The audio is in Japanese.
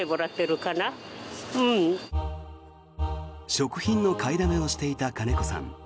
食品の買いだめをしていた金子さん。